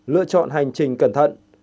lựa chọn hành trình cẩn thận